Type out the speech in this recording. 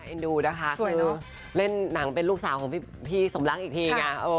เอ็นดูนะคะเล่นหนังเป็นลูกสาวของพี่สมรักอีกทีไง